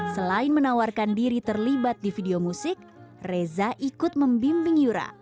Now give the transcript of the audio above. selain menawarkan diri terlibat di video musik reza ikut membimbing yura